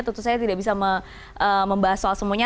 tentu saya tidak bisa membahas soal semuanya